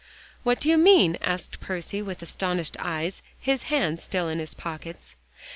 "What do you mean?" asked Percy, with astonished eyes, his hands still in his pockets.